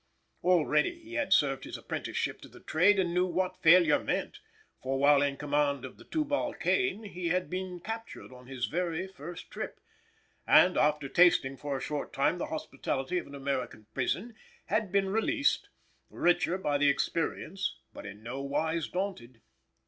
Already he had served his apprenticeship to the trade and knew what failure meant, for while in command of the Tubal Cain he had been captured on his very first trip, and, after tasting for a short time the hospitality of an American prison, had been released—richer by the experience, but in no wise daunted.